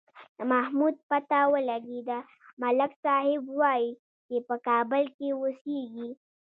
د محمود پته ولگېده، ملک صاحب وایي چې په کابل کې اوسېږي.